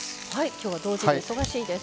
今日は同時で忙しいです。